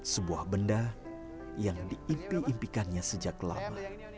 sebuah benda yang diimpi impikannya sejak lama